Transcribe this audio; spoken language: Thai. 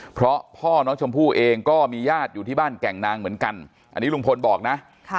เพราะพ่อน้องชมพู่เองก็มีญาติอยู่ที่บ้านแก่งนางเหมือนกันอันนี้ลุงพลบอกนะ